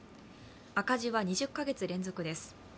赤字は２０か月連続です。